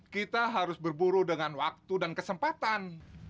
kita harus berburu dengan waktu dan kesempatan